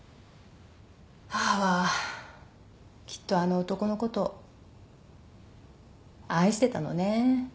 母はきっとあの男のこと愛してたのね。